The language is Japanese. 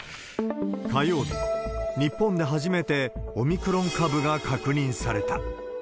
火曜日、日本で初めてオミクロン株が確認された。